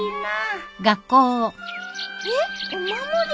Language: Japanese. えっお守り？